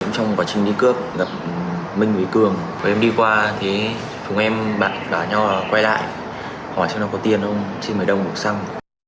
trong quá trình đi cướp gặp minh với cường em đi qua thùng em bạn gọi nhau quay lại hỏi cho nó có tiền không xin mời đồng một xăng